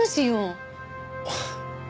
あっ